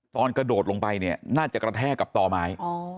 ตอนกระโดดลงไปเนี่ยน่าจะกระแทกกับต่อไม้